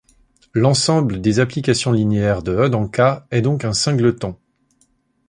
L'ensemble des applications linéaires de E dans K est donc un singleton.